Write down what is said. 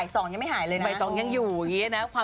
ตอนนี้บ่ายสองยังไม่หายเลยนะ